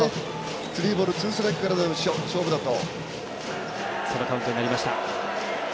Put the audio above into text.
スリーボールツーストライクからの勝負だと。